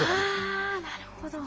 あなるほど。